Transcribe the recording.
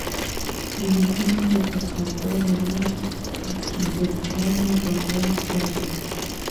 پیرودونکی د خبرو نه، د کړنو باور کوي.